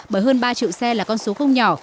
bởi hơn ba triệu xe là con số không nhỏ